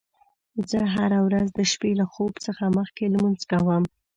زه هره ورځ د شپې له خوب څخه مخکې لمونځ کوم